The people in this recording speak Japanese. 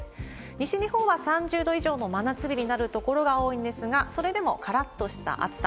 西日本は３０度以上の真夏日になる所が多いんですが、それでもからっとした暑さ。